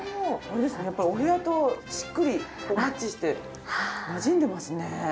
やっぱりお部屋としっくりマッチしてなじんでますね。